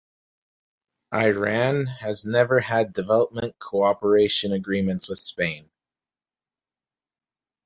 Iran has never had development cooperation agreements with Spain.